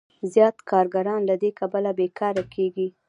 زیات کارګران له دې کبله بېکاره کېږي